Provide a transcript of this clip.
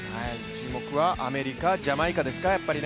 注目はやっぱりアメリカ、ジャマイカですか。